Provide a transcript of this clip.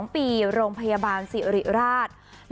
๒ปีโรงพยาบาลสิริราช